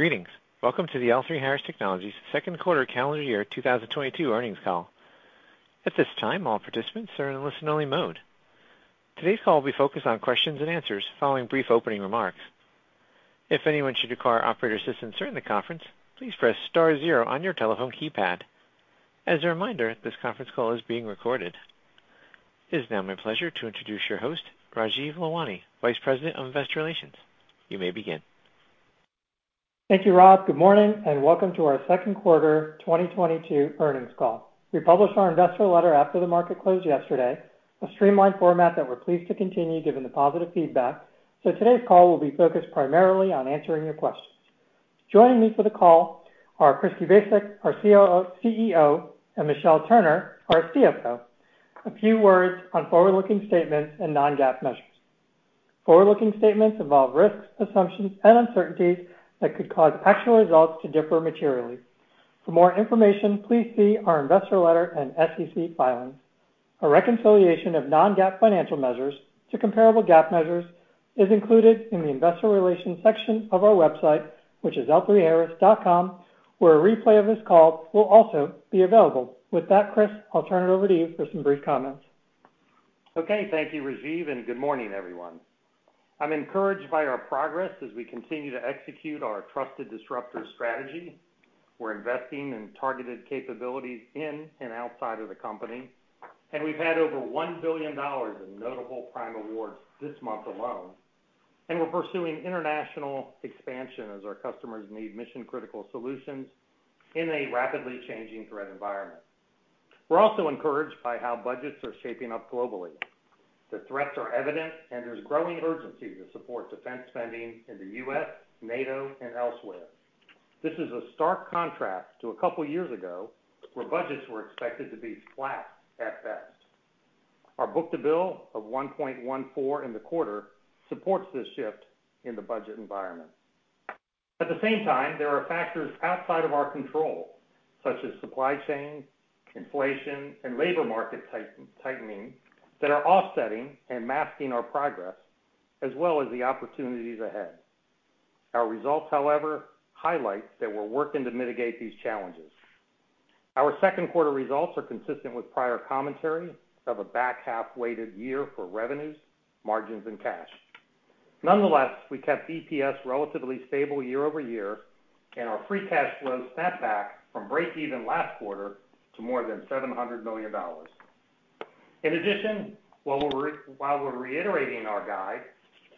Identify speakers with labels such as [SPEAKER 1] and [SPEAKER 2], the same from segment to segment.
[SPEAKER 1] Greetings. Welcome to the L3Harris Technologies Second Quarter Calendar Year 2022 Earnings Call. At this time, all participants are in listen-only mode. Today's call will be focused on questions-and-answers following brief opening remarks. If anyone should require operator assistance during the conference, please press star zero on your telephone keypad. As a reminder, this conference call is being recorded. It is now my pleasure to introduce your host, Rajeev Lalwani, Vice President of Investor Relations. You may begin.
[SPEAKER 2] Thank you, Rob. Good morning, and welcome to our Second Quarter 2022 Earnings Call. We published our investor letter after the market closed yesterday, a streamlined format that we're pleased to continue given the positive feedback. Today's call will be focused primarily on answering your questions. Joining me for the call are Chris Kubasik, our COO, CEO, and Michelle Turner, our CFO. A few words on forward-looking statements and non-GAAP measures. Forward-looking statements involve risks, assumptions, and uncertainties that could cause actual results to differ materially. For more information, please see our investor letter and SEC filings. A reconciliation of non-GAAP financial measures to comparable GAAP measures is included in the investor relations section of our website, which is l3harris.com, where a replay of this call will also be available. With that, Chris, I'll turn it over to you for some brief comments.
[SPEAKER 3] Okay. Thank you, Rajeev, and good morning, everyone. I'm encouraged by our progress as we continue to execute our Trusted Disruptor strategy. We're investing in targeted capabilities in and outside of the company, and we've had over $1 billion in notable prime awards this month alone. We're pursuing international expansion as our customers need mission-critical solutions in a rapidly changing threat environment. We're also encouraged by how budgets are shaping up globally. The threats are evident, and there's growing urgency to support defense spending in the U.S., NATO, and elsewhere. This is a stark contrast to a couple years ago, where budgets were expected to be flat at best. Our book-to-bill of 1.14 in the quarter supports this shift in the budget environment. At the same time, there are factors outside of our control, such as supply chain, inflation, and labor market tightening that are offsetting and masking our progress as well as the opportunities ahead. Our results, however, highlight that we're working to mitigate these challenges. Our second-quarter results are consistent with prior commentary of a back-half-weighted year for revenues, margins, and cash. Nonetheless, we kept EPS relatively stable year-over-year, and our free cash flow snapped back from breakeven last quarter to more than $700 million. In addition, while we're reiterating our guide,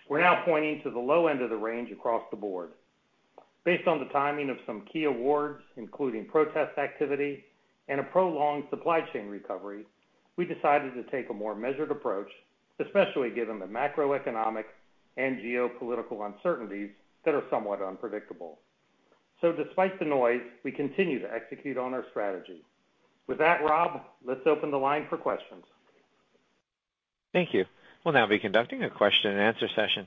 [SPEAKER 3] we're now pointing to the low end of the range across the board. Based on the timing of some key awards, including protest activity and a prolonged supply chain recovery, we decided to take a more measured approach, especially given the macroeconomic and geopolitical uncertainties that are somewhat unpredictable. Despite the noise, we continue to execute on our strategy. With that, Rob, let's open the line for questions.
[SPEAKER 1] Thank you. We'll now be conducting a question-and-answer session.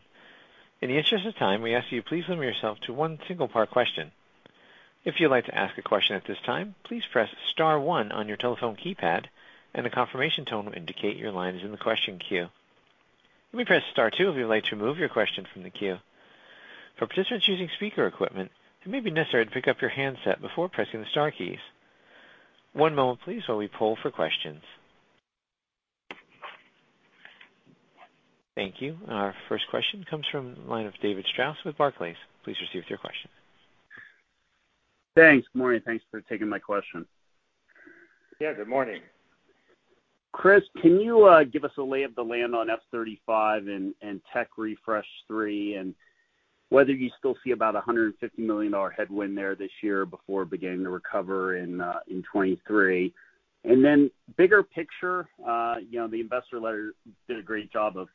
[SPEAKER 1] In the interest of time, we ask you please limit yourself to one single part question. If you'd like to ask a question at this time, please press star one on your telephone keypad, and a confirmation tone will indicate your line is in the question queue. You may press star two if you'd like to remove your question from the queue. For participants using speaker equipment, it may be necessary to pick up your handset before pressing the star keys. One moment, please, while we poll for questions. Thank you. Our first question comes from the line of David Strauss with Barclays. Please proceed with your question.
[SPEAKER 4] Thanks. Good morning. Thanks for taking my question.
[SPEAKER 3] Yeah, good morning.
[SPEAKER 4] Chris, can you give us a lay of the land on F-35 and Technology Refresh-3, and whether you still see about a $150 million headwind there this year before beginning to recover in 2023? Then bigger picture, you know, the Investor letter did a great job of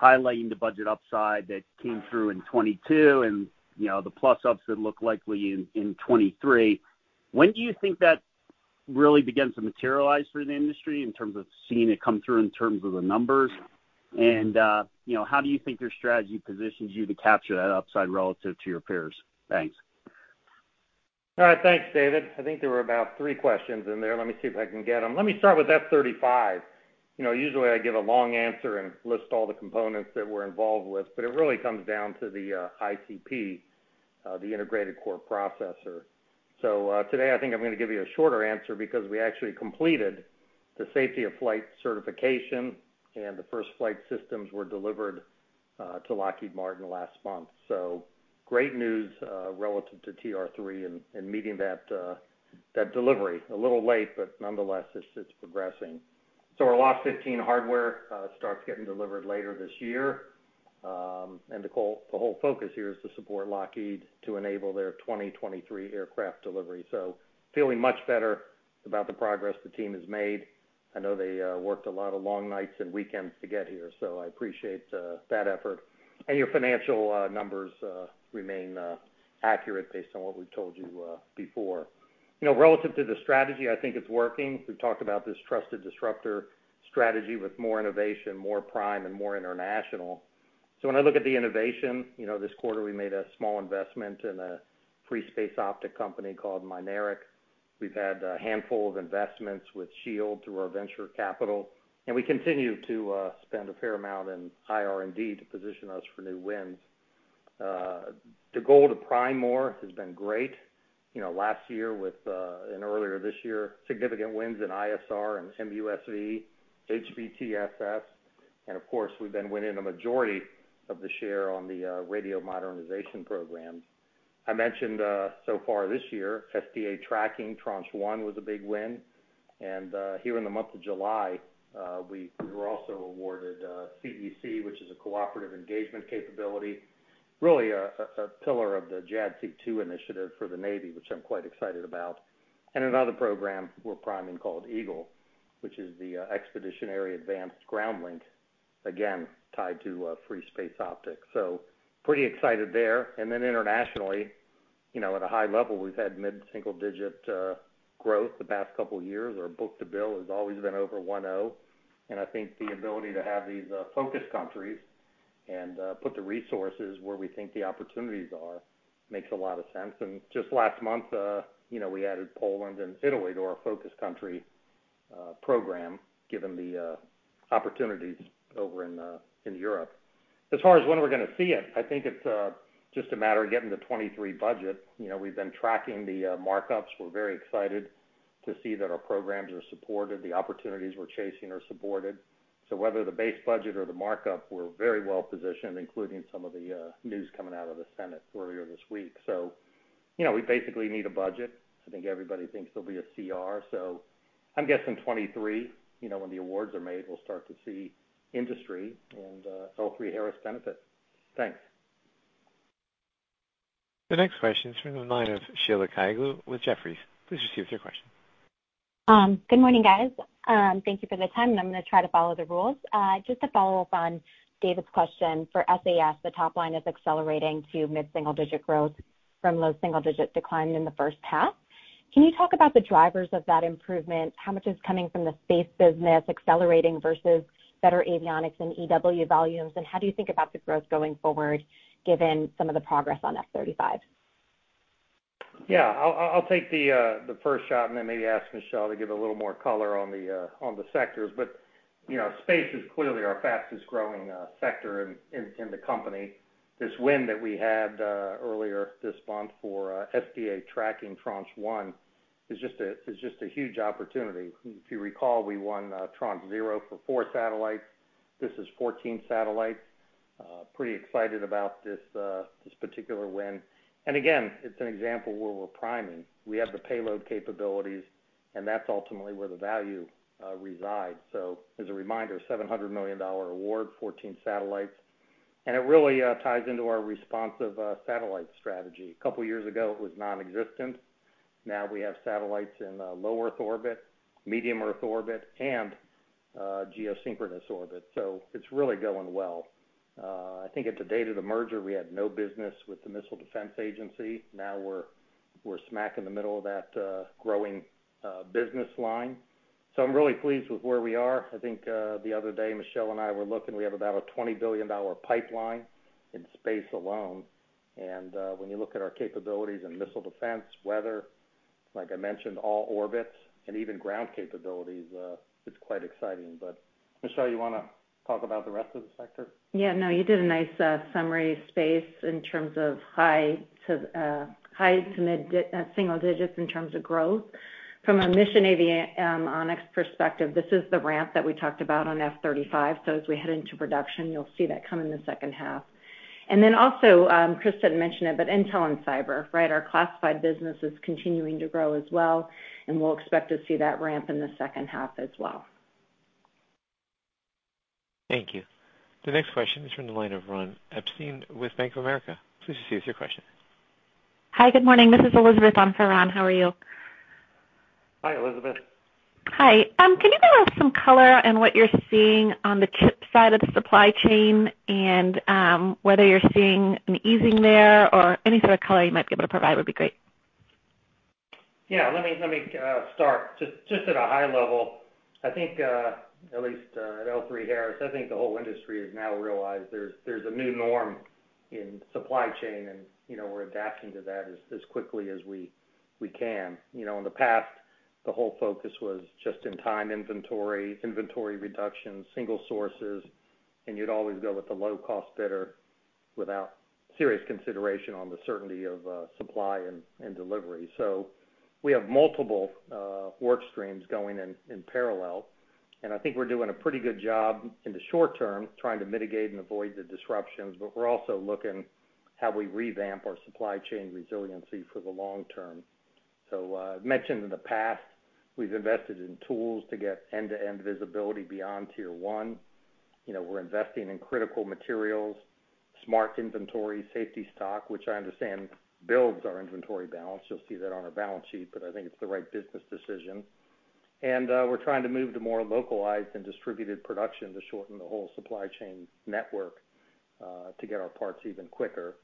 [SPEAKER 4] highlighting the budget upside that came through in 2022 and, you know, the plus-ups that look likely in 2023. When do you think that really begins to materialize for the industry in terms of seeing it come through in terms of the numbers? You know, how do you think your strategy positions you to capture that upside relative to your peers? Thanks.
[SPEAKER 3] All right. Thanks, David. I think there were about three questions in there. Let me see if I can get them. Let me start with F-35. You know, usually I give a long answer and list all the components that we're involved with, but it really comes down to the ICP, the integrated core processor. Today I think I'm gonna give you a shorter answer because we actually completed the Safety of Flight certification, and the first flight systems were delivered to Lockheed Martin last month. Great news relative to TR-3 and meeting that delivery. A little late, but nonetheless, it's progressing. Our Lot 15 hardware starts getting delivered later this year. And the whole focus here is to support Lockheed to enable their 2023 aircraft delivery. Feeling much better about the progress the team has made. I know they worked a lot of long nights and weekends to get here, so I appreciate that effort. Your financial numbers remain accurate based on what we've told you before. You know, relative to the strategy, I think it's working. We've talked about this Trusted Disruptor strategy with more innovation, more prime, and more international. When I look at the innovation, you know, this quarter we made a small investment in a free-space optics company called Mynaric. We've had a handful of investments with Shield AI through our venture capital, and we continue to spend a fair amount in IR&D to position us for new wins. The goal to prime more has been great. You know, last year and earlier this year, significant wins in ISR and MUSV, HBTSS, and of course, we've been winning a majority of the share on the radio modernization program. I mentioned so far this year, SDA Tracking Tranche 1 was a big win. Here in the month of July, we were also awarded CEC, which is a Cooperative Engagement Capability, really a pillar of the JADC2 initiative for the Navy, which I'm quite excited about. Another program we're priming called EAGL, which is the Expeditionary Advanced Ground Link, again, tied to free space optics. So pretty excited there. Then internationally, you know, at a high level, we've had mid-single-digit growth the past couple years. Our book-to-bill has always been over 1.0. I think the ability to have these focus countries and put the resources where we think the opportunities are makes a lot of sense. Just last month, you know, we added Poland and Italy to our focus country program, given the opportunities over in Europe. As far as when we're gonna see it, I think it's just a matter of getting the 2023 budget. You know, we've been tracking the markups. We're very excited to see that our programs are supported, the opportunities we're chasing are supported. Whether the base budget or the markup, we're very well-positioned, including some of the news coming out of the Senate earlier this week. You know, we basically need a budget. I think everybody thinks there'll be a CR. I'm guessing 2023. You know, when the awards are made, we'll start to see industry and L3Harris benefit. Thanks.
[SPEAKER 1] The next question is from the line of Sheila Kahyaoglu with Jefferies. Please proceed with your question.
[SPEAKER 5] Good morning, guys. Thank you for the time, and I'm gonna try to follow the rules. Just to follow up on David's question. For SAS, the top line is accelerating to mid-single-digit growth from low-single-digit decline in the first half. Can you talk about the drivers of that improvement? How much is coming from the space business accelerating versus better avionics and EW volumes, and how do you think about the growth going forward, given some of the progress on F-35?
[SPEAKER 3] Yeah. I'll take the first shot and then maybe ask Michelle to give a little more color on the sectors. You know, space is clearly our fastest-growing sector in the company. This win that we had earlier this month for SDA Tracking Tranche 1 is just a huge opportunity. If you recall, we won Tranche 0 for 4 satellites. This is 14 satellites. Pretty excited about this particular win. It's an example where we're priming. We have the payload capabilities, and that's ultimately where the value resides. As a reminder, $700 million award, 14 satellites. It really ties into our responsive satellite strategy. A couple of years ago, it was nonexistent. Now we have satellites in low Earth orbit, medium Earth orbit, and geosynchronous orbit, so it's really going well. I think at the date of the merger, we had no business with the Missile Defense Agency. Now we're smack in the middle of that growing business line. I'm really pleased with where we are. I think the other day, Michelle and I were looking. We have about a $20 billion pipeline in space alone. When you look at our capabilities in missile defense, weather, like I mentioned, all orbits and even ground capabilities, it's quite exciting. Michelle, you wanna talk about the rest of the sector?
[SPEAKER 6] Yeah, no, you did a nice summary of space in terms of high-to-single-digits in terms of growth. From a mission avionics perspective, this is the ramp that we talked about on F-35. As we head into production, you'll see that come in the second half. Then also, Chris didn't mention it, but intel and cyber, right? Our classified business is continuing to grow as well, and we'll expect to see that ramp in the second half as well.
[SPEAKER 1] Thank you. The next question is from the line of Ronald Epstein with Bank of America. Please proceed with your question.
[SPEAKER 7] Hi, good morning. This is Elizabeth on for Ron. How are you?
[SPEAKER 3] Hi, Elizabeth.
[SPEAKER 8] Hi. Can you give us some color on what you're seeing on the chip side of the supply chain and whether you're seeing an easing there or any sort of color you might be able to provide would be great?
[SPEAKER 3] Let me start just at a high level. I think at least at L3Harris, I think the whole industry has now realized there's a new norm in supply chain and, you know, we're adapting to that as quickly as we can. You know, in the past, the whole focus was just-in-time inventory reduction, single sources, and you'd always go with the low cost bidder without serious consideration on the certainty of supply and delivery. We have multiple work streams going in parallel, and I think we're doing a pretty good job in the short term trying to mitigate and avoid the disruptions, but we're also looking how we revamp our supply chain resiliency for the long term. As mentioned in the past, we've invested in tools to get end-to-end visibility beyond Tier 1. You know, we're investing in critical materials, smart inventory, safety stock, which I understand builds our inventory balance. You'll see that on our balance sheet, but I think it's the right business decision. We're trying to move to more localized and distributed production to shorten the whole supply chain network, to get our parts even quicker.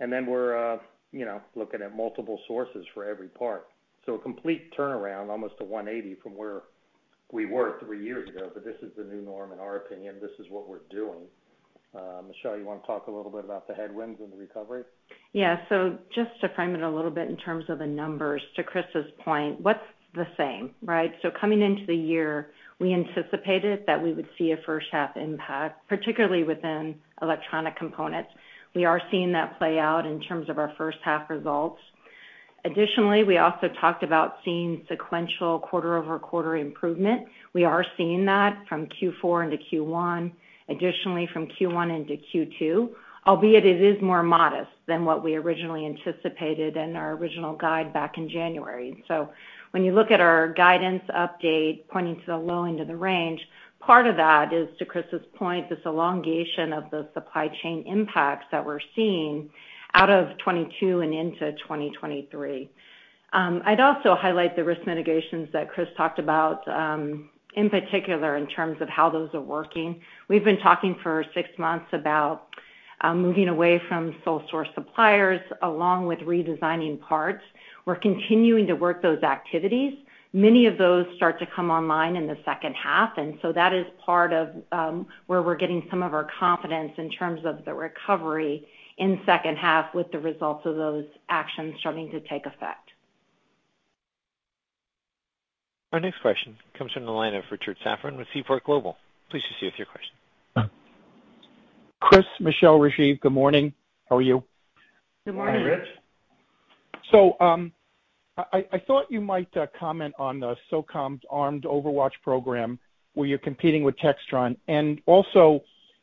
[SPEAKER 3] We're, you know, looking at multiple sources for every part. A complete turnaround, almost a 180 from where we were three years ago. This is the new norm in our opinion. This is what we're doing. Michelle, you wanna talk a little bit about the headwinds and the recovery?
[SPEAKER 6] Yeah. Just to frame it a little bit in terms of the numbers, to Chris's point, what's the same, right? Coming into the year, we anticipated that we would see a first-half impact, particularly within electronic components. We are seeing that play out in terms of our first-half results. Additionally, we also talked about seeing sequential quarter-over-quarter improvement. We are seeing that from Q4 into Q1, additionally from Q1 into Q2. Albeit it is more modest than what we originally anticipated in our original guide back in January. When you look at our guidance update pointing to the low end of the range, part of that is, to Chris's point, this elongation of the supply chain impacts that we're seeing out of 2022 and into 2023. I'd also highlight the risk mitigations that Chris talked about, in particular in terms of how those are working. We've been talking for six months about moving away from sole source suppliers, along with redesigning parts. We're continuing to work those activities. Many of those start to come online in the second half, and so that is part of where we're getting some of our confidence in terms of the recovery in second half with the results of those actions starting to take effect.
[SPEAKER 1] Our next question comes from the line of Richard Safran with Seaport Global. Please proceed with your question.
[SPEAKER 9] Chris, Michelle, Rajeev, good morning. How are you?
[SPEAKER 6] Good morning.
[SPEAKER 3] Hi, Rich.
[SPEAKER 9] I thought you might comment on the SOCOM's Armed Overwatch program, where you're competing with Textron.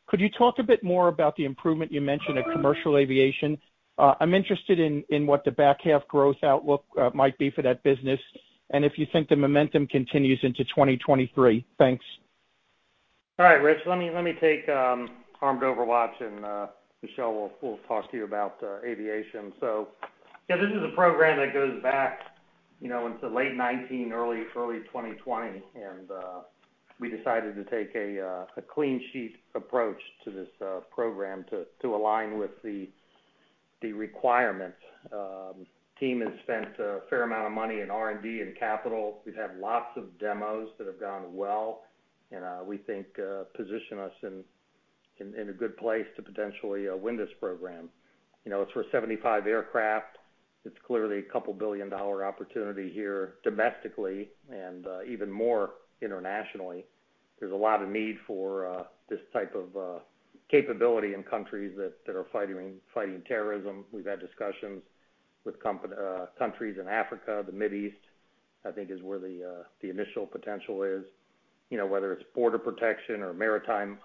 [SPEAKER 9] Could you talk a bit more about the improvement you mentioned at commercial aviation? I'm interested in what the back half growth outlook might be for that business, and if you think the momentum continues into 2023. Thanks.
[SPEAKER 3] All right, Rich. Let me take Armed Overwatch and Michelle will talk to you about aviation. Yeah, this is a program that goes back, you know, into late 2019, early 2020. We decided to take a clean sheet approach to this program to align with the requirements. Team has spent a fair amount of money in R&D and capital. We've had lots of demos that have gone well, and we think position us in a good place to potentially win this program. You know, it's for 75 aircraft. It's clearly a couple billion-dollar opportunity here domestically and even more internationally. There's a lot of need for this type of capability in countries that are fighting terrorism. We've had discussions with countries in Africa. The Middle East, I think, is where the initial potential is. You know, whether it's border protection or maritime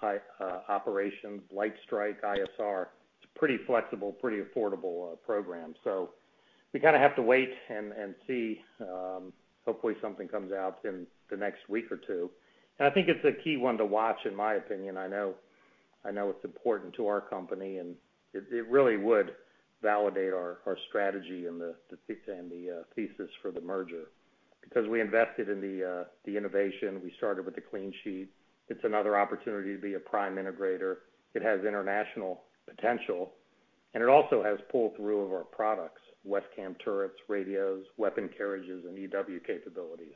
[SPEAKER 3] operations, light strike, ISR. It's pretty flexible, pretty affordable program. We kinda have to wait and see. Hopefully something comes out in the next week or two. I think it's a key one to watch, in my opinion. I know it's important to our company, and it really would validate our strategy and the thesis for the merger. Because we invested in the innovation. We started with a clean sheet. It's another opportunity to be a prime integrator. It has international potential, and it also has pull-through of our products, WESCAM turrets, radios, weapon carriages, and EW capabilities.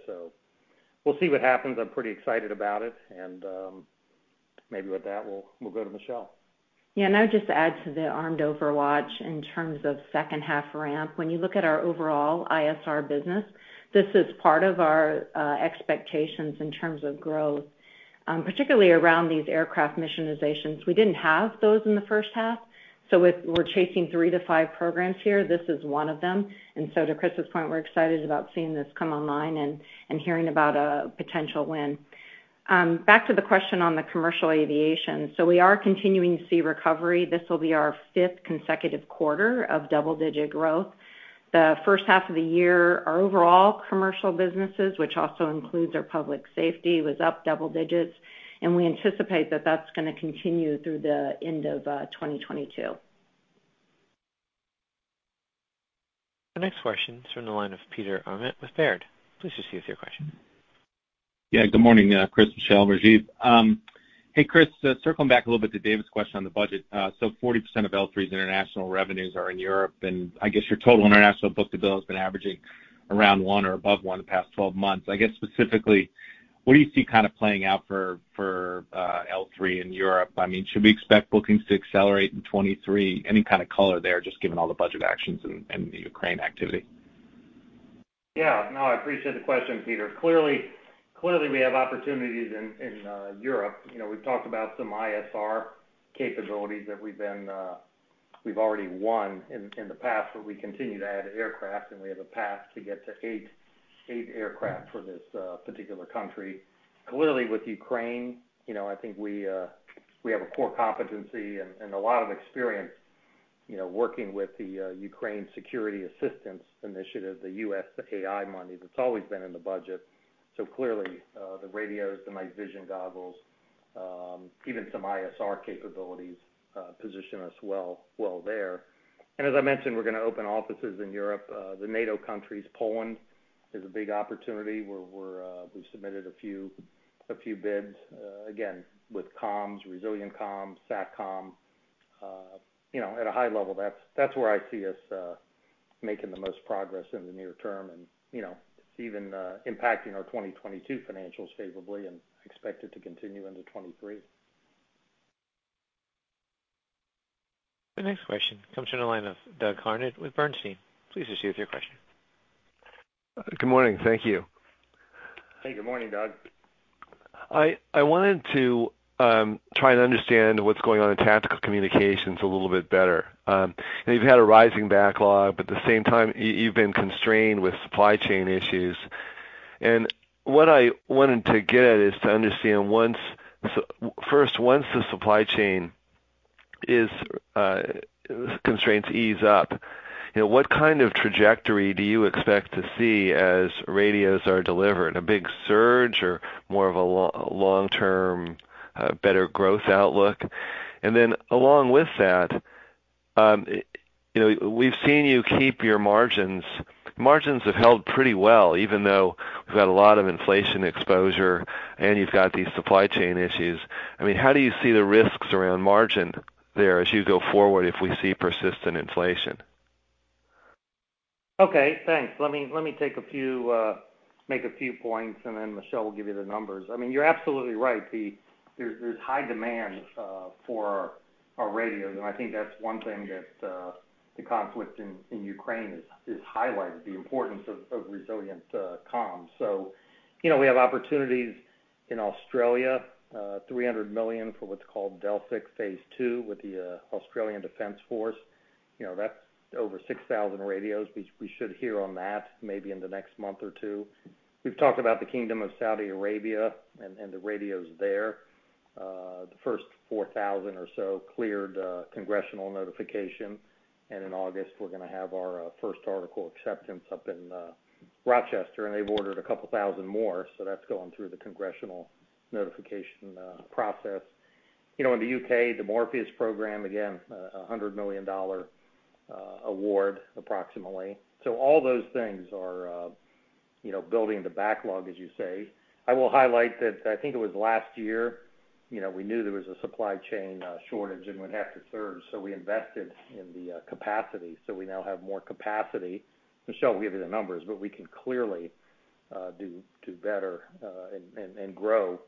[SPEAKER 3] We'll see what happens. I'm pretty excited about it. Maybe with that, we'll go to Michelle.
[SPEAKER 6] Yeah. I would just add to the Armed Overwatch in terms of second half ramp. When you look at our overall ISR business, this is part of our expectations in terms of growth, particularly around these aircraft missionizations. We didn't have those in the first half, so we're chasing 3-5 programs here. This is one of them. To Chris's point, we're excited about seeing this come online and hearing about a potential win. Back to the question on the commercial aviation. We are continuing to see recovery. This will be our fifth consecutive quarter of double-digit growth. The first half of the year, our overall commercial businesses, which also includes our public safety, was up double digits. We anticipate that that's gonna continue through the end of 2022.
[SPEAKER 1] The next question is from the line of Peter Arment with Baird. Please proceed with your question.
[SPEAKER 10] Yeah. Good morning, Chris, Michelle, Rajeev. Hey, Chris, circling back a little bit to David's question on the budget. So 40% of L3Harris's international revenues are in Europe, and I guess your total international book-to-bill has been averaging around 1 or above 1 the past 12 months. I guess, specifically, what do you see kind of playing out for L3Harris in Europe? I mean, should we expect bookings to accelerate in 2023? Any kind of color there, just given all the budget actions and the Ukraine activity.
[SPEAKER 3] Yeah. No, I appreciate the question, Peter. Clearly we have opportunities in Europe. You know, we've talked about some ISR capabilities that we've already won in the past, but we continue to add aircraft, and we have a path to get to eight aircraft for this particular country. Clearly, with Ukraine, you know, I think we have a core competency and a lot of experience, you know, working with the Ukraine Security Assistance Initiative, the USAI money that's always been in the budget. So clearly, the radios, the night vision goggles, even some ISR capabilities position us well there. As I mentioned, we're gonna open offices in Europe. The NATO countries, Poland is a big opportunity, where we've submitted a few bids, again, with comms, resilient comms, SATCOM. You know, at a high level, that's where I see us making the most progress in the near term. You know, it's even impacting our 2022 financials favorably, and expect it to continue into 2023.
[SPEAKER 1] The next question comes from the line of Douglas Harned with Bernstein. Please proceed with your question.
[SPEAKER 11] Good morning. Thank you.
[SPEAKER 3] Hey, good morning, Doug.
[SPEAKER 11] I wanted to try and understand what's going on in Tactical Communications a little bit better. You've had a rising backlog, but at the same time, you've been constrained with supply chain issues. What I wanted to get is to understand once the supply chain constraints ease up, you know, what kind of trajectory do you expect to see as radios are delivered? A big surge or more of a long-term better growth outlook? Along with that, you know, we've seen you keep your margins. Margins have held pretty well, even though we've had a lot of inflation exposure and you've got these supply chain issues. I mean, how do you see the risks around margin there as you go forward if we see persistent inflation?
[SPEAKER 3] Okay, thanks. Let me make a few points, and then Michelle will give you the numbers. I mean, you're absolutely right. There's high demand for our radios, and I think that's one thing that the conflict in Ukraine is highlighting the importance of resilient comms. You know, we have opportunities in Australia, $300 million for what's called Delphic Phase 2 with the Australian Defence Force. You know, that's over 6,000 radios. We should hear on that maybe in the next month or two. We've talked about the Kingdom of Saudi Arabia and the radios there. The first 4,000 or so cleared congressional notification, and in August, we're gonna have our first article acceptance up in Rochester, and they've ordered a couple thousand more, so that's going through the congressional notification process. You know, in the U.K., the Morpheus program, again, a $100 million award approximately. So all those things are, you know, building the backlog, as you say. I will highlight that I think it was last year, you know, we knew there was a supply chain shortage, and we'd have to surge, so we invested in the capacity. So we now have more capacity. Michelle will give you the numbers, but we can clearly do better and grow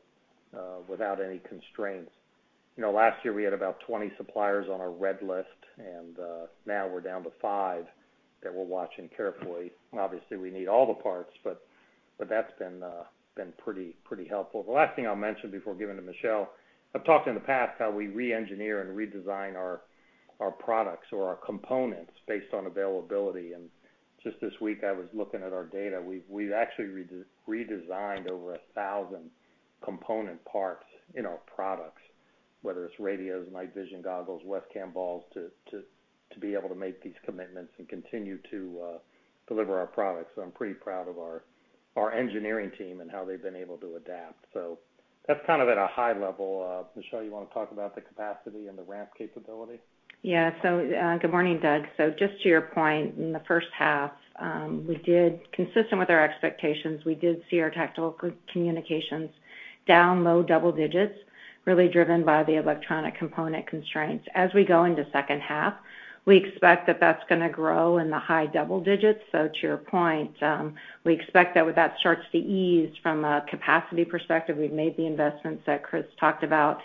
[SPEAKER 3] without any constraints. You know, last year, we had about 20 suppliers on our red list, and now we're down to five that we're watching carefully. Obviously, we need all the parts, but that's been pretty helpful. The last thing I'll mention before giving to Michelle, I've talked in the past how we re-engineer and redesign our products or our components based on availability. Just this week, I was looking at our data. We've actually redesigned over 1,000 component parts in our products, whether it's radios, Night Vision Goggles, WESCAM balls, to be able to make these commitments and continue to deliver our products. I'm pretty proud of our engineering team and how they've been able to adapt. That's kind of at a high level. Michelle, you wanna talk about the capacity and the ramp capability?
[SPEAKER 6] Yeah. Good morning, Doug. Just to your point, in the first half, we did, consistent with our expectations, we did see our Tactical Communications down low-double-digits, really driven by the electronic component constraints. As we go into second half, we expect that that's gonna grow in the high-double-digits. To your point, we expect that when that starts to ease from a capacity perspective, we've made the investments that Chris talked about.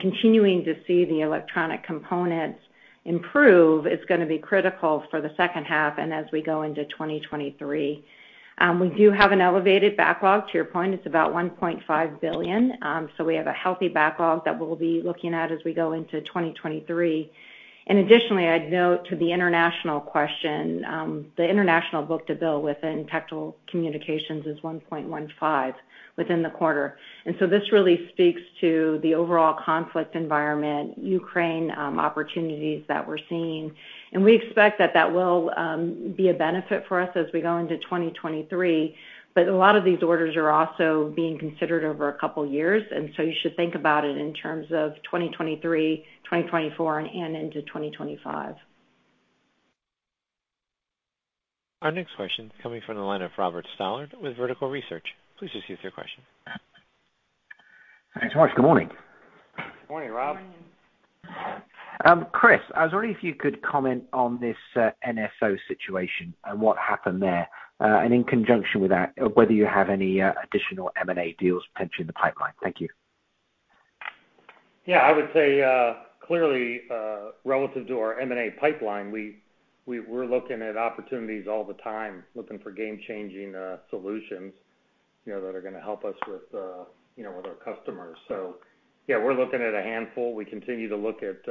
[SPEAKER 6] Continuing to see the electronic components improve is gonna be critical for the second half and as we go into 2023. We do have an elevated backlog. To your point, it's about $1.5 billion. We have a healthy backlog that we'll be looking at as we go into 2023. Additionally, I'd note to the international question, the international book-to-bill within Tactical Communications is 1.15 within the quarter. This really speaks to the overall conflict environment, Ukraine, opportunities that we're seeing. We expect that will be a benefit for us as we go into 2023. A lot of these orders are also being considered over a couple years, and you should think about it in terms of 2023, 2024, and into 2025.
[SPEAKER 1] Our next question is coming from the line of Robert Stallard with Vertical Research Partners. Please proceed with your question.
[SPEAKER 12] Thanks so much. Good morning.
[SPEAKER 6] Good morning Rob.
[SPEAKER 12] Chris, I was wondering if you could comment on this, NSO situation and what happened there. In conjunction with that, whether you have any additional M&A deals potentially in the pipeline. Thank you.
[SPEAKER 3] Yeah. I would say, clearly, relative to our M&A pipeline, we're looking at opportunities all the time, looking for game-changing solutions, you know, that are gonna help us with, you know, with our customers. Yeah, we're looking at a handful. We continue to look at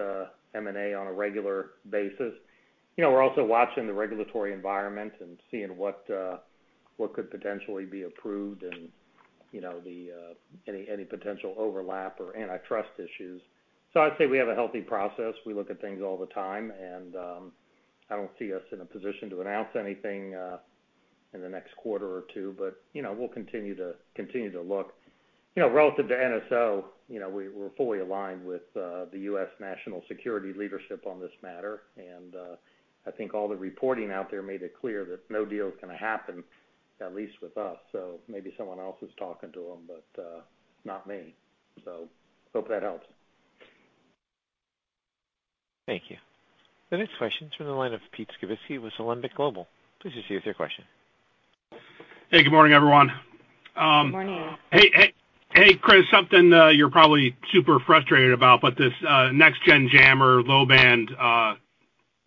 [SPEAKER 3] M&A on a regular basis. You know, we're also watching the regulatory environment and seeing what could potentially be approved and, you know, then any potential overlap or antitrust issues. I'd say we have a healthy process. We look at things all the time, and I don't see us in a position to announce anything in the next quarter or two. You know, we'll continue to look. You know, relative to NSO, you know, we're fully aligned with the U.S. national security leadership on this matter. I think all the reporting out there made it clear that no deal is gonna happen. At least with us. Maybe someone else is talking to him, but, not me. Hope that helps.
[SPEAKER 12] Thank you.
[SPEAKER 1] The next question is from the line of Pete Skibitski with Alembic Global Advisors. Please proceed with your question.
[SPEAKER 13] Hey, good morning, everyone.
[SPEAKER 6] Good morning.
[SPEAKER 13] Hey, hey, Chris, something you're probably super frustrated about, but this Next Generation Jammer Low Band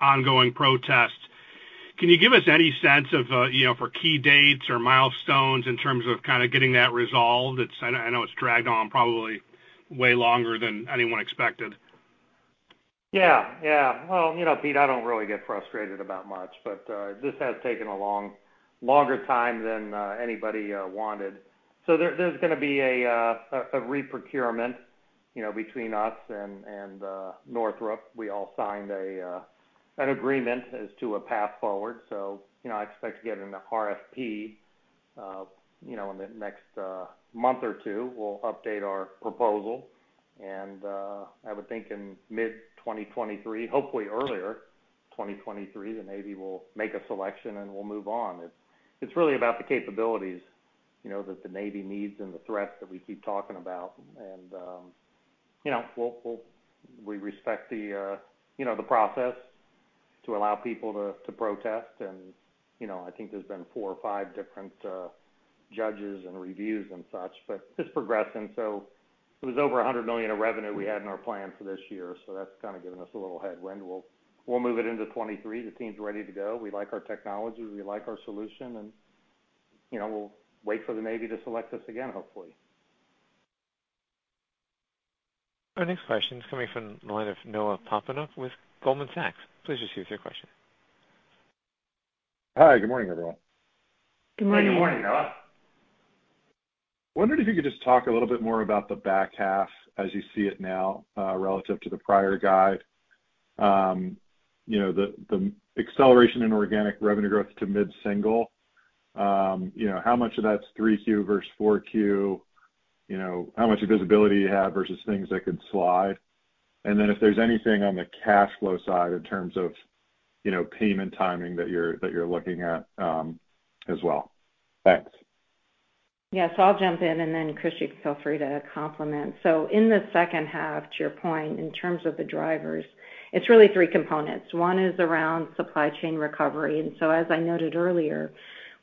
[SPEAKER 13] ongoing protest. Can you give us any sense of, you know, for key dates or milestones in terms of kind of getting that resolved? It's. I know it's dragged on probably way longer than anyone expected.
[SPEAKER 3] Yeah, yeah. Well, you know, Pete, I don't really get frustrated about much, but this has taken a longer time than anybody wanted. So there's gonna be a re-procurement, you know, between us and Northrop Grumman. We all signed an agreement as to a path forward. So, you know, I expect to get an RFP, you know, in the next month or two. We'll update our proposal. I would think in mid-2023, hopefully earlier 2023, the Navy will make a selection, and we'll move on. It's really about the capabilities, you know, that the Navy needs and the threats that we keep talking about. You know, we respect the process to allow people to protest. You know, I think there's been four or five different judges and reviews and such, but it's progressing. It was over $100 million of revenue we had in our plan for this year, so that's kind of given us a little headwind. We'll move it into 2023. The team's ready to go. We like our technology, we like our solution, and, you know, we'll wait for the Navy to select us again, hopefully.
[SPEAKER 1] Our next question is coming from the line of Noah Poponak with Goldman Sachs. Please proceed with your question.
[SPEAKER 14] Hi, good morning, everyone.
[SPEAKER 6] Good morning.
[SPEAKER 3] Good morning, Noah.
[SPEAKER 14] Wondered if you could just talk a little bit more about the back half as you see it now, relative to the prior guide. You know, the acceleration in organic revenue growth to mid-single, you know, how much of that's 3Q versus 4Q? You know, how much visibility you have versus things that could slide? If there's anything on the cash flow side in terms of, you know, payment timing that you're looking at, as well. Thanks.
[SPEAKER 6] Yes, I'll jump in, and then, Chris, you can feel free to comment. In the second half, to your point, in terms of the drivers, it's really three components. One is around supply chain recovery. As I noted earlier,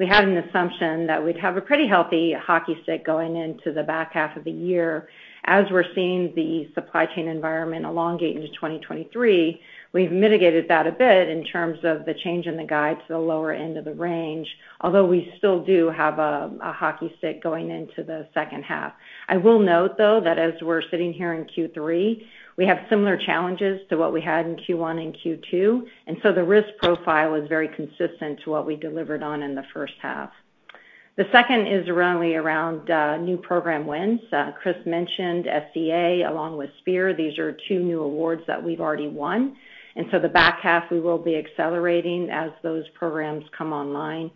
[SPEAKER 6] we had an assumption that we'd have a pretty healthy hockey stick going into the back half of the year. As we're seeing the supply chain environment elongate into 2023, we've mitigated that a bit in terms of the change in the guide to the lower end of the range. Although we still do have a hockey stick going into the second half. I will note, though, that as we're sitting here in Q3, we have similar challenges to what we had in Q1 and Q2, and so the risk profile is very consistent to what we delivered on in the first half. The second is really around new program wins. Chris mentioned SEA along with SPEIR. These are two new awards that we've already won, and so the back half we will be accelerating as those programs come online.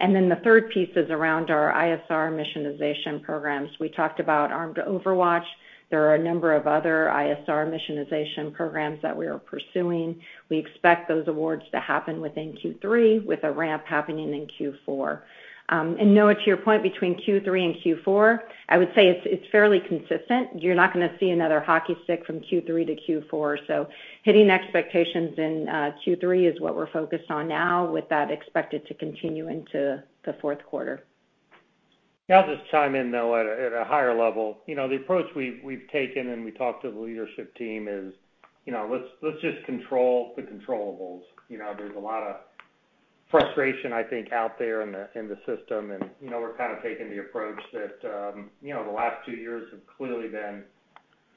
[SPEAKER 6] The third piece is around our ISR missionization programs. We talked about Armed Overwatch. There are a number of other ISR missionization programs that we are pursuing. We expect those awards to happen within Q3, with a ramp happening in Q4. And Noah, to your point, between Q3 and Q4, I would say it's fairly consistent. You're not gonna see another hockey stick from Q3 to Q4. Hitting expectations in Q3 is what we're focused on now, with that expected to continue into the fourth quarter.
[SPEAKER 3] Yeah, I'll just chime in, though, at a higher level. You know, the approach we've taken and we talked to the leadership team is, you know, let's just control the controllables. You know, there's a lot of frustration, I think, out there in the system. You know, we're kind of taking the approach that, you know, the last two years have clearly been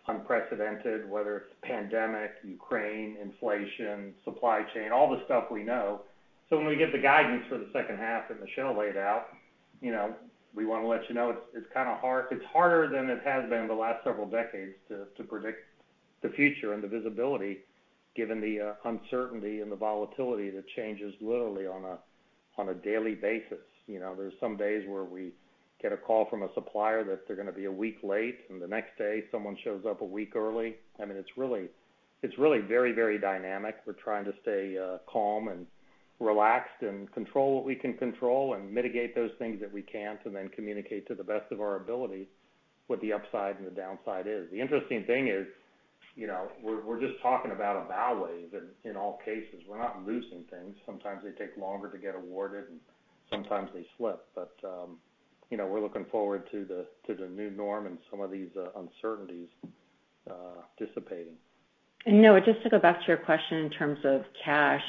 [SPEAKER 3] unprecedented, whether it's pandemic, Ukraine, inflation, supply chain, all the stuff we know. When we get the guidance for the second half and the show laid out, you know, we wanna let you know it's kind of hard. It's harder than it has been the last several decades to predict the future and the visibility given the uncertainty and the volatility that changes literally on a daily basis. You know, there's some days where we get a call from a supplier that they're gonna be a week late, and the next day someone shows up a week early. I mean, it's really very dynamic. We're trying to stay calm and relaxed and control what we can control and mitigate those things that we can't, and then communicate to the best of our ability what the upside and the downside is. The interesting thing is, you know, we're just talking about a bow wave in all cases. We're not losing things. Sometimes they take longer to get awarded, and sometimes they slip. You know, we're looking forward to the new norm and some of these uncertainties dissipating.
[SPEAKER 6] Noah, just to go back to your question in terms of cash,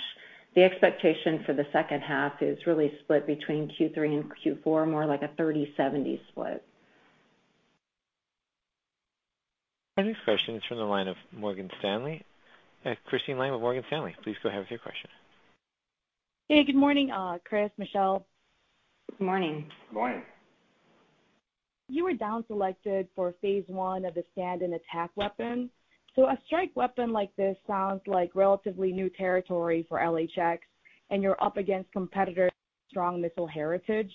[SPEAKER 6] the expectation for the second half is really split between Q3 and Q4, more like a 30/70 split.
[SPEAKER 1] Our next question is from the line of Morgan Stanley. Kristine Liwag with Morgan Stanley, please go ahead with your question.
[SPEAKER 15] Hey, good morning, Chris, Michelle.
[SPEAKER 6] Good morning.
[SPEAKER 3] Good morning.
[SPEAKER 15] You were down-selected for phase one of the Stand-in Attack Weapon. A strike weapon like this sounds like relatively new territory for LHX, and you're up against competitors with strong missile heritage.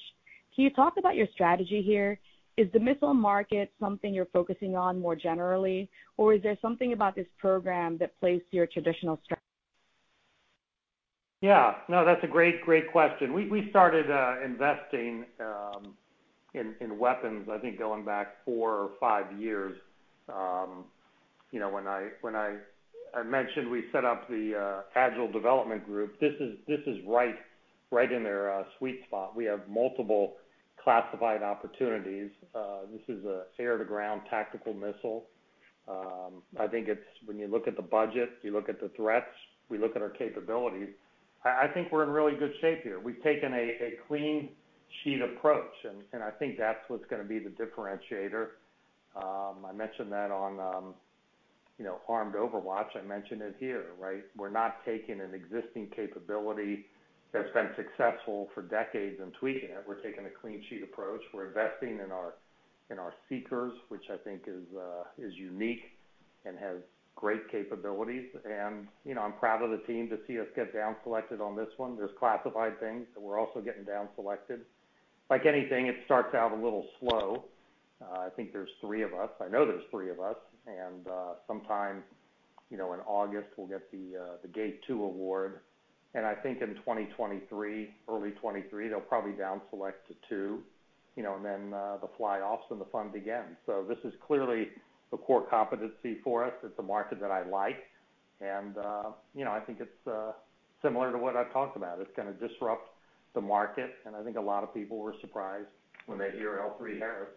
[SPEAKER 15] Can you talk about your strategy here? Is the missile market something you're focusing on more generally, or is there something about this program that plays to your traditional strength?
[SPEAKER 3] No, that's a great question. We started investing in weapons, I think, going back four or five years. You know, when I mentioned we set up the Agile Development Group. This is right in their sweet spot. We have multiple classified opportunities. This is air-to-ground tactical missile. I think it's when you look at the budget, you look at the threats, we look at our capabilities, I think we're in really good shape here. We've taken a clean sheet approach, and I think that's what's gonna be the differentiator. I mentioned that on, you know, Armed Overwatch, I mentioned it here, right? We're not taking an existing capability that's been successful for decades and tweaking it. We're taking a clean sheet approach. We're investing in our seekers, which I think is unique and has great capabilities. You know, I'm proud of the team to see us get down-selected on this one. There's classified things that we're also getting down-selected. Like anything, it starts out a little slow. I know there's three of us. You know, sometime in August, we'll get the Gate 2 award. I think in 2023, early 2023, they'll probably down-select to two, you know, and then the flyoffs and the fun begins. This is clearly a core competency for us. It's a market that I like. You know, I think it's similar to what I've talked about. It's gonna disrupt the market, and I think a lot of people were surprised when they hear L3Harris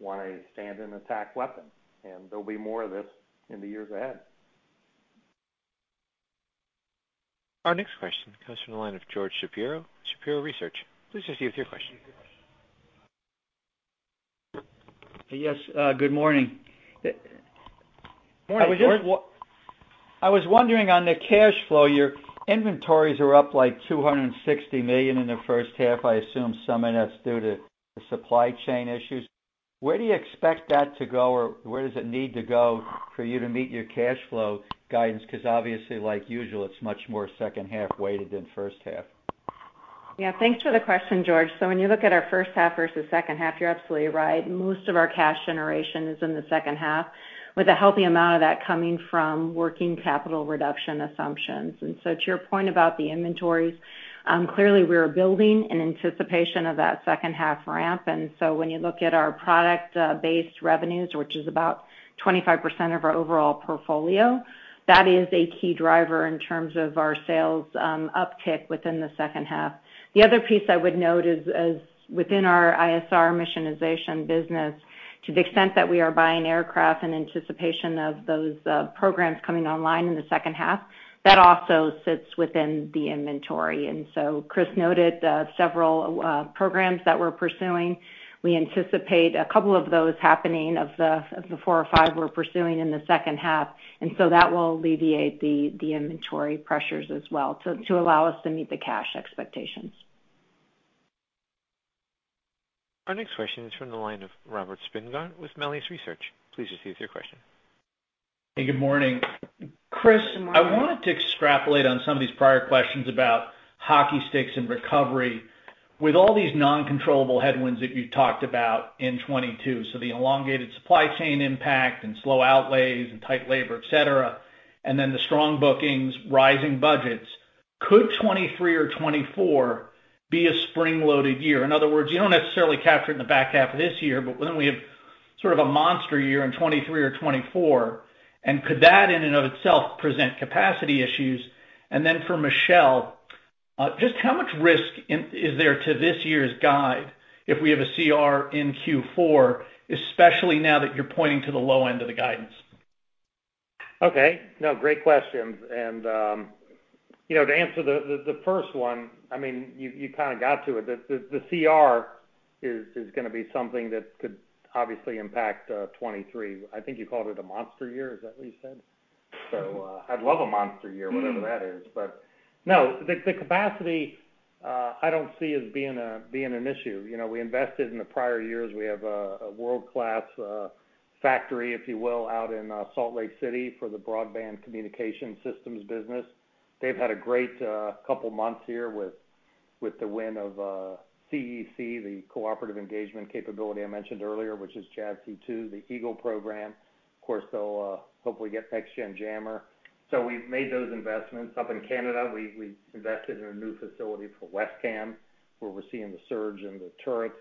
[SPEAKER 3] won a Stand-in Attack Weapon, and there'll be more of this in the years ahead.
[SPEAKER 1] Our next question comes from the line of George Shapiro, Shapiro Research. Please proceed with your question.
[SPEAKER 16] Yes, good morning.
[SPEAKER 3] Morning, George.
[SPEAKER 16] I was wondering on the cash flow, your inventories are up, like, $260 million in the first half. I assume some of that's due to the supply chain issues. Where do you expect that to go, or where does it need to go for you to meet your cash flow guidance? 'Cause obviously, like usual, it's much more second-half weighted than first-half.
[SPEAKER 6] Yeah. Thanks for the question, George. When you look at our first half versus second half, you're absolutely right. Most of our cash generation is in the second half, with a healthy amount of that coming from working capital reduction assumptions. To your point about the inventories, clearly, we're building in anticipation of that second-half ramp. When you look at our product-based revenues, which is about 25% of our overall portfolio, that is a key driver in terms of our sales uptick within the second half. The other piece I would note is as within our ISR missionization business, to the extent that we are buying aircraft in anticipation of those programs coming online in the second half, that also sits within the inventory. Chris noted several programs that we're pursuing. We anticipate a couple of those happening of the four or five we're pursuing in the second half. That will alleviate the inventory pressures as well to allow us to meet the cash expectations.
[SPEAKER 1] Our next question is from the line of Robert Spingarn with Melius Research. Please proceed with your question.
[SPEAKER 17] Hey, good morning.
[SPEAKER 3] Chris--
[SPEAKER 6] Good morning.
[SPEAKER 17] I wanted to extrapolate on some of these prior questions about hockey sticks and recovery. With all these non-controllable headwinds that you talked about in 2022, so the elongated supply chain impact and slow outlays and tight labor, et cetera, and then the strong bookings, rising budgets. Could 2023 or 2024 be a spring-loaded year? In other words, you don't necessarily capture it in the back half of this year, but then we have sort of a monster year in 2023 or 2024. Could that, in and of itself, present capacity issues? For Michelle, just how much risk is there to this year's guide if we have a CR in Q4, especially now that you're pointing to the low end of the guidance?
[SPEAKER 3] Okay. No, great questions. You know, to answer the first one, I mean, you kinda got to it. The CR is gonna be something that could obviously impact 2023. I think you called it a monster year. Is that what you said? I'd love a monster year, whatever that is. No, the capacity I don't see as being an issue. You know, we invested in the prior years. We have a world-class factory, if you will, out in Salt Lake City for the broadband communication systems business. They've had a great couple months here with the win of CEC, the Cooperative Engagement Capability I mentioned earlier, which is JADC2, the EAGL program. Of course, they'll hopefully get next-gen jammer. We've made those investments. Up in Canada, we invested in a new facility for WESCAM, where we're seeing the surge in the turrets.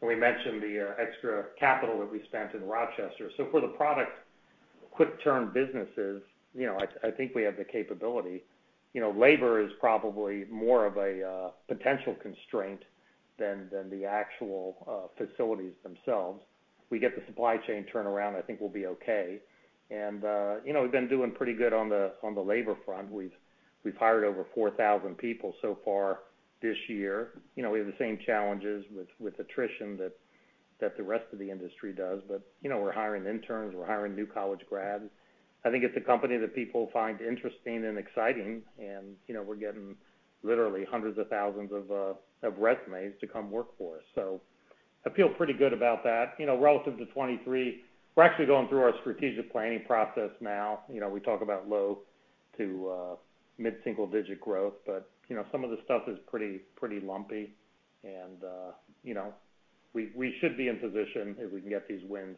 [SPEAKER 3] We mentioned the extra capital that we spent in Rochester. For the product quick-turn businesses, you know, I think we have the capability. You know, labor is probably more of a potential constraint than the actual facilities themselves. We get the supply chain turnaround, I think we'll be okay. You know, we've been doing pretty good on the labor front. We've hired over 4,000 people so far this year. You know, we have the same challenges with attrition that the rest of the industry does. You know, we're hiring interns, we're hiring new college grads. I think it's a company that people find interesting and exciting, and, you know, we're getting literally hundreds of thousands of resumes to come work for us. So I feel pretty good about that. You know, relative to 2023, we're actually going through our strategic planning process now. You know, we talk about low-to-mid-single-digit growth. You know, some of the stuff is pretty lumpy. You know, we should be in position if we can get these wins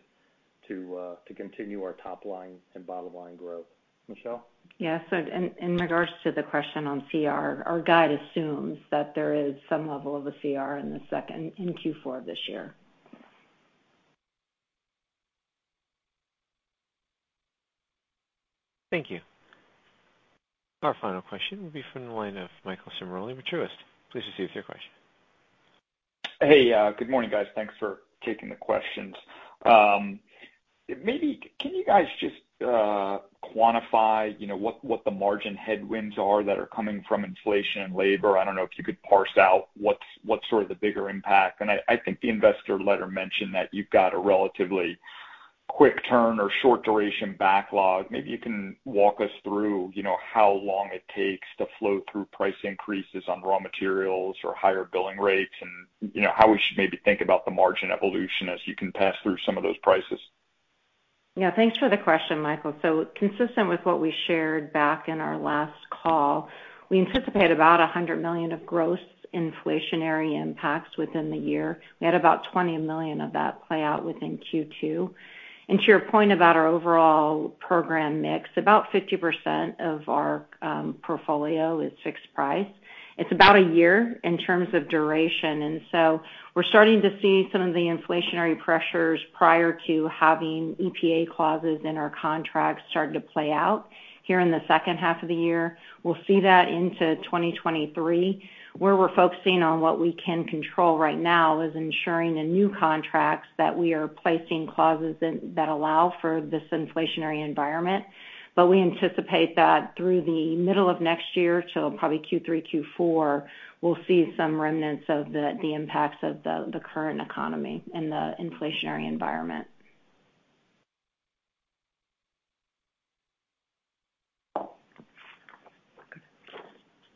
[SPEAKER 3] to continue our top- line and bottom-line growth. Michelle?
[SPEAKER 6] Yes. In regards to the question on CR, our guide assumes that there is some level of a CR in Q4 of this year.
[SPEAKER 1] Thank you. Our final question will be from the line of Michael Ciarmoli, Truist. Please proceed with your question.
[SPEAKER 18] Hey, good morning, guys. Thanks for taking the questions. Maybe you can just quantify, you know, what the margin headwinds are that are coming from inflation and labor. I don't know if you could parse out what's sort of the bigger impact. I think the investor letter mentioned that you've got a relatively quick turn or short-duration backlog. Maybe you can walk us through, you know, how long it takes to flow through price increases on raw materials or higher billing rates and, you know, how we should maybe think about the margin evolution as you can pass through some of those prices.
[SPEAKER 6] Yeah. Thanks for the question, Michael. Consistent with what we shared back in our last call, we anticipate about $100 million of gross inflationary impacts within the year. We had about $20 million of that play out within Q2. To your point about our overall program mix, about 50% of our portfolio is fixed-price. It's about a year in terms of duration, and so we're starting to see some of the inflationary pressures prior to having EPA clauses in our contracts starting to play out here in the second half of the year. We'll see that into 2023, where we're focusing on what we can control right now is ensuring the new contracts that we are placing clauses in that allow for this inflationary environment. We anticipate that through the middle of next year to probably Q3, Q4, we'll see some remnants of the impacts of the current economy and the inflationary environment.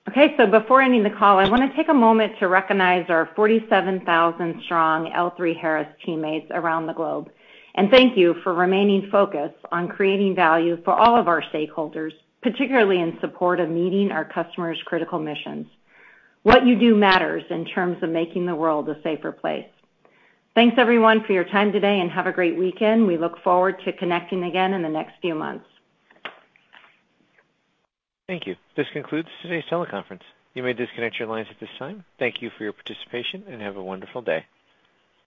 [SPEAKER 6] Okay. Before ending the call, I wanna take a moment to recognize our 47,000-strong L3Harris teammates around the globe, and thank you for remaining focused on creating value for all of our stakeholders, particularly in support of meeting our customers' critical missions. What you do matters in terms of making the world a safer place. Thanks everyone for your time today, and have a great weekend. We look forward to connecting again in the next few months.
[SPEAKER 1] Thank you. This concludes today's teleconference. You may disconnect your lines at this time. Thank you for your participation, and have a wonderful day.